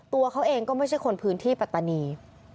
ตัวเขาเองก็ไม่ใช่คนพื้นที่ปัตตานี